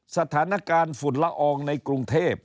สถานการณ์ฝุ่นละอองในกรุงเทพ